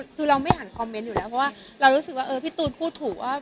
คือเราไม่อ่านคอมเมนต์อยู่แล้วเพราะว่าเรารู้สึกว่าเออพี่ตูนพูดถูกว่า